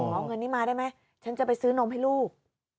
เอาเงินนี้มาได้ไหมฉันจะไปซื้อนมให้ลูก